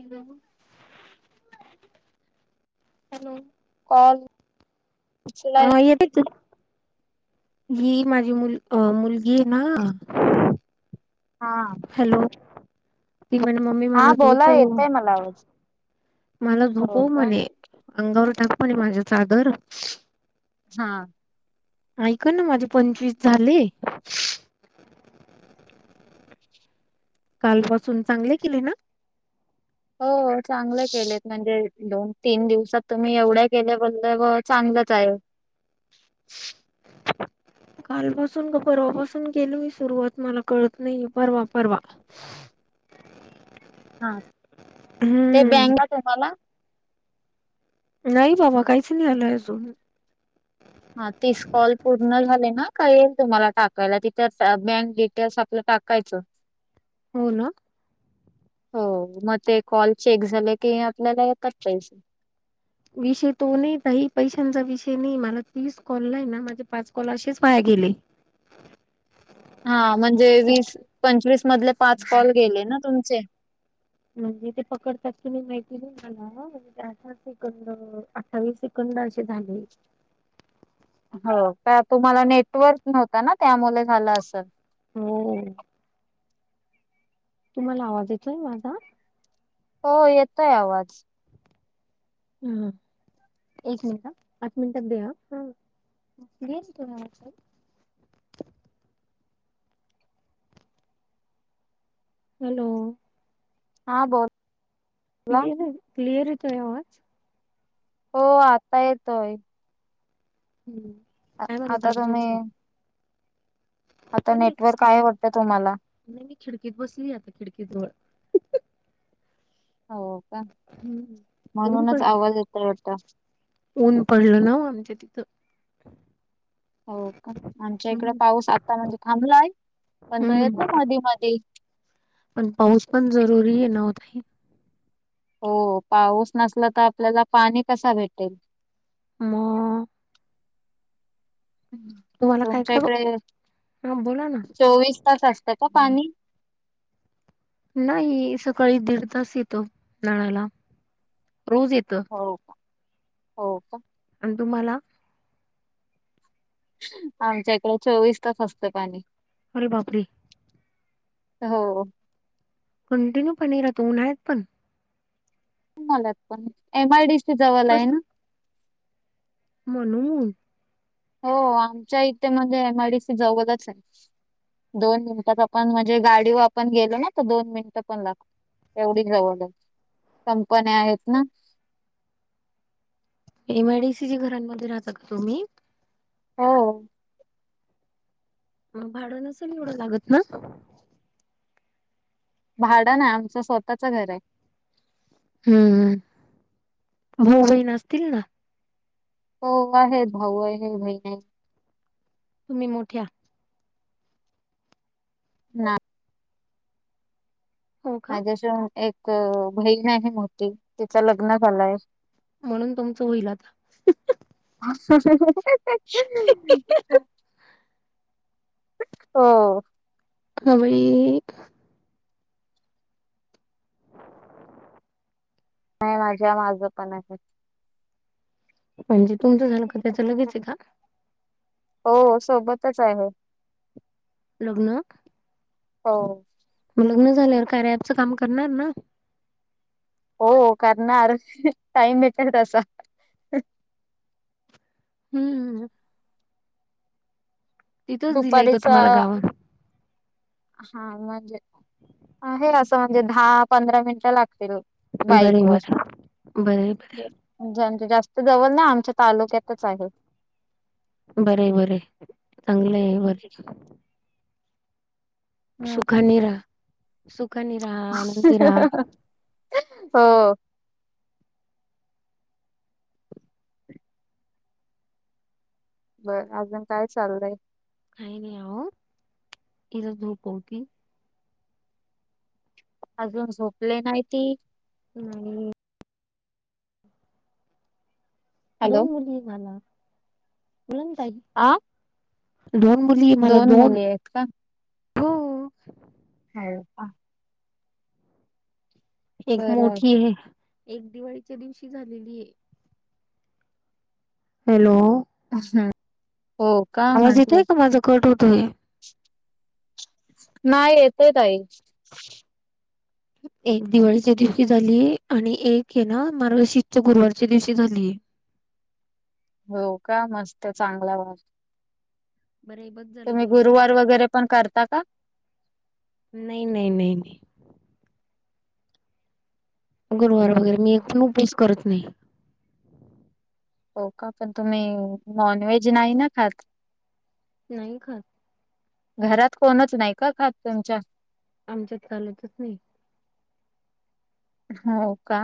Hello? Hello? Call उचलाय अ येते त, ही माझी मुल मुलगी आहे ना हा. हॅलो? ती म्हणे मम्मी हा मला बोला झोपव, येतय मला आवाज. मला झोप हो का म्हणे. अंगावर टाकतो म्हणे माझ्या चादर. हा. ऐक ना माझे पंचवीस झाले. कालपासून चांगले केले ना. हो चांगले केलेत. म्हणजे, दोन- तीन दिवसात तुम्ही एवढ्या केल्याबद्दल चांगलंच आहे. कालपासून का परवापासून केेले मी सुरुवात मला कळत नाही परवा परवा. हा. ते हम्म बँगा ठेवायला. नाही बाबा. काहीच नाही आलंय अजून. हा तीस कॉल पूर्ण झाले ना, काय येईल तुम्हाला टाकायला? तिथे बँक डिटेल्स आपलं टाकायचं. [inaudible] हो ना. हो. मग ते कॉल चेक झाले की आपल्याला येतात पैसे. विषय तो नाही काई पैशांचा विषय नाही. मला तीस कॉल नाही ना माझे पाच कॉल असेच वाया गेले. हा म्हणजे वीस, पंचवीस मधले पाच कॉल गेले ना तुमचे. म्हणजे ते पकडतात की नाही माहिती नाही मला. त्यांना तिकडन अट्टाविस सेकंद असे झाले. हो का. तुम्हाला नेटवर्क नव्हता ना. त्यामुळे झालं असेल. हो. तुम्हाला आवाज येतोय माझा? हो येतोय आवाज. हम्. एक मिनिट ह. पाच मिनिटात दे ह. [unintelligible] हॅलो. हा बोल. क्लियर हे क्लिअर येतोय आवाज? हो आता येतोय. हम्म. काय म्हणता आता अजून? तुम्ही आता काय नाही नेटवर्क काय वाटतं तुम्हाला? नाही मी खिडकीत बसली आता खिडकीजवळ. हो का. हम्म ऊन म्हणूनच पड आवाज येतय वाटत. ऊन पडलं ना आमच्या तिथं. हो का. आमच्या इकडे हम्म. पाऊस आता म्हणजे थांबलाय. पण तो हम्म येतो मधी मधी. पण पाऊस पण जरुरी आहे ना. वो भी हो पाऊस नसला तर, आपल्याला पाणी कस भेटेल. मग. ह तुम्हाला काय तुमच्या काय इकडे हा बोला ना. चोवीस तास असत का पाणी? नाही. सकाळी दीड तास येतो नळाला. रोज येत. हो का. हो का. आणि तुम्हाला? आमच्या इकडे चोवीस तास असतं पाणी. अरे बापरी. हो. कंटिन्यू पाणी राहत. उन्हाळ्यात पण? मलात पाणी. एम आय डी सि जवल बस आहे ना. म्हणून. हो हो. आमच्या इथे म्हणजे एम आय डी सी जवळच आहे. दोन मिनटात आपण म्हणजे गाडीव आपण गेलो ना तर दोन मिनटं पण लागतं. एवढीच जवळ ये, कंपन्या आहेत ना. एम आय डी सी च्या घरांमध्ये राहता का तुम्ही? हॊ हॊ. मग भाडं नसलं एवढं लागत ना. भाडं नाय आमचं स्वतःचं घरय. हम्म हम्म भाव बहीण असतीलं ना. हॊ आहेत भाऊ आहे बहीण ये. तुम्ही मोठ्या. ना. हो का माझ्याशि एक अ बहीण आहे, मोठी तिच लग्नं झालायं. म्हणून तुमचं होईल आता [unintelligible] [inaudible] [inaudible] हो. हुई. नाय माझ्यामाग पण आहे. म्हणजे तुमचं झालं का, त्याचं लगेचं ये का? हो हॊ सोबतचं आहे. लग्नं. हो. लग्न झाल्यावर काय रॅपचं काम करणार ना. हॊ करणार टाईम भेटलं तसं. हम्म हम्म हम्म. तिथंच दिलंय का दुपारीचा तुम्हाला गावात? हा म्हणजे आहे असं म्हणजे दहा पंधरा मिनट लागते रो बरे बाईकवर. बर बरे बरे म्हणजे आमच्या जास्त जवळ नाय आमच्या तालुक्यातचं आहे. बरंय बरंय चांगलंय बरे. सुखानी राह, सुखानी राह आनंदी राहा. हो. बरं अजून काय चाललंय? काय नाही अहो तिला झोपवती. अजून झोपले नाय ती. नाही. हॅलो दोन मुली मला. [unintelligible] आ. दोन मुली ये मला दोनं हेत का? [unintelligible] [inaudible] एक मोठी आहे एक दिवाळीच्या दिवशी झालेलीये. हॅलो. हम्म हो. का आवाज म्हंटलं येतोय का? माझा कट होतोयं. नाय येतयं ताई. [inaudible] एक दिवाळीच्या दिवशी झाली... आणि एक हे ना.. मार्गशीर्ष च्या गुरुवारच्या दिवशी झाली. हो का मस्त चांगलाय म... बरे हे बघ... तुम्ही गुरुवार वेगैरे पण करता का? नाही -नाही... गुरुवार वेगैरे मी एक हि उपवास करत नाही. हो.. का.. पण तुम्ही नॉन व्हेज नाही ना खात? नाही खात. घरात कोणच नाही का खात तुमच्या? आमच्यात चालतच नाही. हो.. का?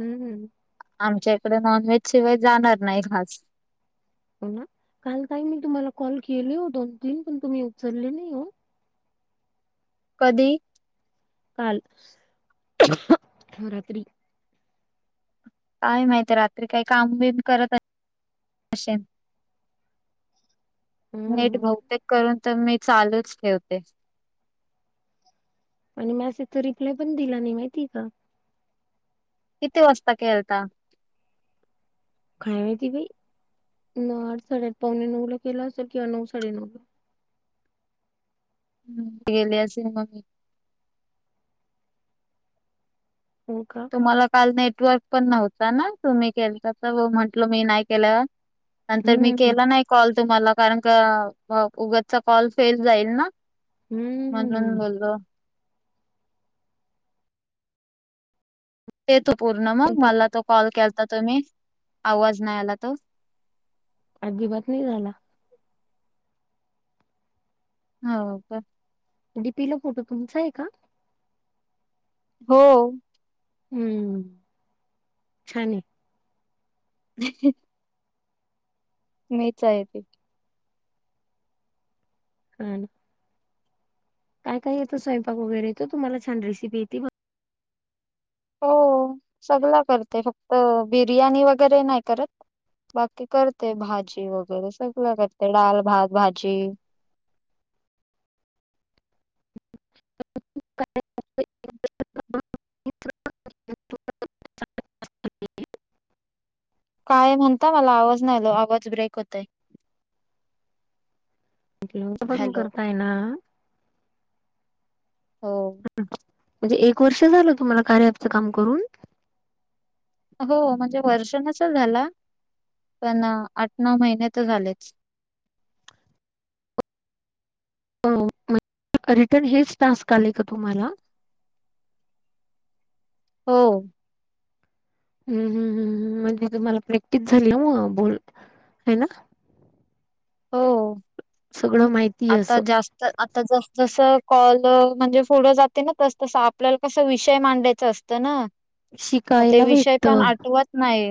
हम्म.. हम्म... आमच्या इकडे नॉनव्हेज शिवाय जाणार नाही घास. हो ना काल काही मी तुम्हाला कॉल केले हो दोन तीन पण तुम्ही उचलले नाही हो. कधी? काल. रात्री. काय माहिती रात्री काही काम बिम करत... असशीन. नेट हम्म बहुतेक करून तर मी चालूच ठेवते. आणि मॅसेज चा रिप्लाय पण दिला नाही माहितीये का? कि ती वस्ता केलता... काय माहीती बाई.... आठ साडेआठ पावणे नऊ ला केला असेल. किंवा नऊ साडे नऊ ला. [unintelligible] हो.. का? मला काल नेटवर्क पण नव्हता ना तुम्ही केलता तव म्हंटल मी नाही केलेला. नंतर मी हम्म केला नाही कॉल तुम्हाला कारण का... उगचचा कॉल फेल जाईल ना. हम्म.... म्हणून बोललो. ते तो पूर्ण मग स्वयंपाक मला तो कॉल केलता तुम्ही आवाज नाही आला तो? अजिबात नाही झाला. हो.. का? डी. पी. ला फोटो तुमचा आहे का? हो.... हम्म.... छान आहे. [inaudible] मीच आहे ती. [unintelligible] काय- काय येतं स्वयंपाक वेगैरेे तुम्हाला छान रेसिपीे येती.. हो.. सगळ करते फक्त बिर्याणी वैगैरे नाही करत. बाकी करते भाजी वै गैरे सगळ करते डाल, भात, भाजी. [unintelligible] [inaudible] काय म्हणता मला आवाज नाही आला आवाज ब्रेक होतय. हॅलो [unintelligible] हो. म्हणजे एक वर्ष झालं तुम्हाला कार्या ॲपच काम करून? हो म्हणजे वर्ष नसेल झाल, पण आठ नवु महिने तर झालेच. हो म्हण रिटर्न हेच टास्क आले का तुम्हाला? हो. हू हू हू ह म्हणजे तुम्हाला प्रॅक्टिस झाली मग बोलून हाय ना. हो सगळं माहितीय आता असं. जास तर आता जस जसं कॉल म्हणजे पुढं जाते ना, तस तस आपल्याला कस विषय मांडायचा असत त ना, मग ते शिकायला विषय भेटत पण आठवत नाही.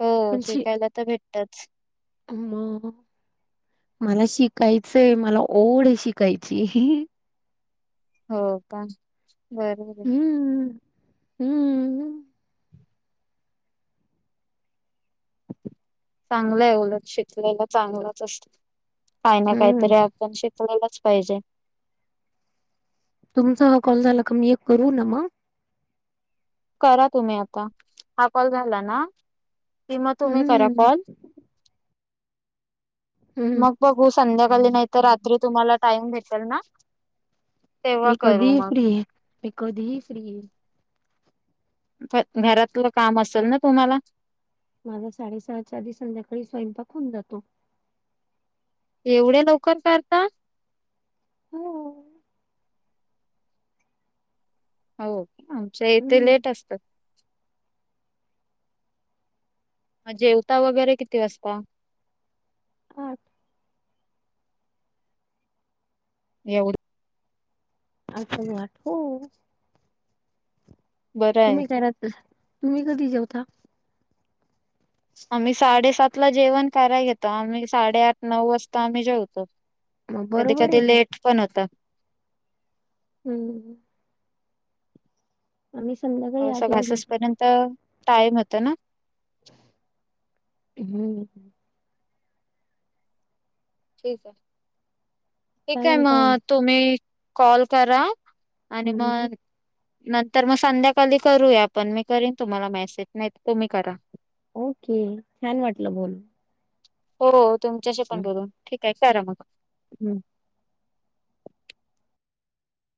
हो पण शि शिकायला तर भेटतच. मग मला शिकायचंय. मला ओढ ये शिकायची. हो का? बर बर. हुं. हू. चांगलं हाय उलट, शिकलेल चांगलंच असतं. काही ना हम्म काहीतरी पणं शिकलेलच पाहिजे. तुमचा हा कॉल झाला का मी एक करू ना मग? करा तुम्ही आता. हा कॉल झाला ना, कि मग तुम्ही करा हम्म कॉल हम्म मग बघू संध्याकाली नाही तर, रात्री तुम्हाला टाइम भेटेल ना. तेव्हा मी करू कधी ही मग फ्री ये. मी कधी ही फ्री ये. पणं घरातलं काम असल ना तुम्हाला? माझा साडेसहाच्या आधी संध्याकाळी स्वयंपाक होऊन जातो. एवढ्या लवकर करता? हो. हाओ आमच्या इथे हम्म लेट असत. म जेवता वगैरे किती वासता? आठ. एवढ आठ ला जेवणार हो. बरं आहे तुम्ही करा त तुम्ही कधी जेवता? आम्ही साडेसात ला जेवण कराय घेतो. आम्ही साडेआठ नऊ वासता आम्ही जेवतो. मग कधी बरोबर आहे कधी ना. लेट पण होत. हुं. आम्ही संध्या आमचं घासस पर्यंत टायम होत ना. हुं. ठीक हाय. काय ठीक हाय म्हणता? मग तुम्ही कॉल करा आणि म हम्म नंतर मग संध्याकाली करूया आपण. मी करीन तुम्हाला मॅसेज, नाहीतर तुम्ही करा. ओके. छान वाटलं बोल हो तुमच्याशी पण बोलून. ठीक आहे करा मग. हुं.